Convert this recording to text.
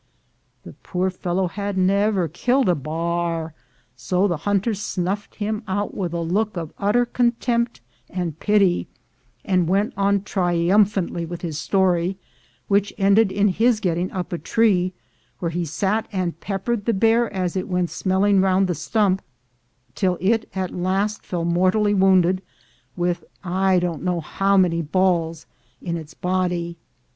The poor fellow had never killed a "bar," so the hunter snuffed him out with a look of utter contempt and pity, and went on triumphantly with his story, which ended in his getting up a tree, where he sat and peppered the bear as it went smelling round the stump, till it at last fell mortally wounded, with I don't know how many balls in its body.